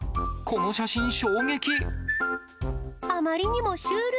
この写真衝撃！